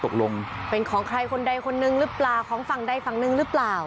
ตกลงเป็นของใครคนใดคนนึงหรือเปล่าของฝั่งใดฝั่งหนึ่งหรือเปล่า